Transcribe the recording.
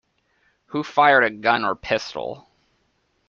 Who fired a gun or pistol?